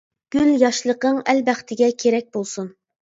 گۈل ياشلىقىڭ ئەل بەختىگە كېرەك بولسۇن.